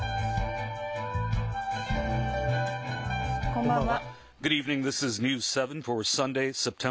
こんばんは。